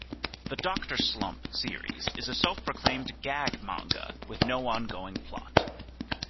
The "Doctor Slump" series is a self-proclaimed gag manga with no ongoing plot.